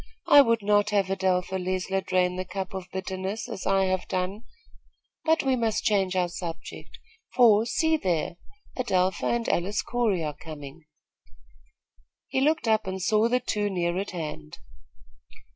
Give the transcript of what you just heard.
I would not have Adelpha Leisler drain the cup of bitterness, as I have done; but we must change our subject, for, see there, Adelpha and Alice Corey are coming." He looked up and saw the two near at hand.